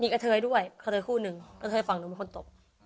กระเทยด้วยกระเทยคู่หนึ่งกระเทยฝั่งนู้นเป็นคนตบ